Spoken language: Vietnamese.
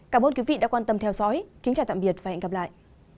cảm ơn quý vị đã quan tâm theo dõi kính chào và hẹn gặp lại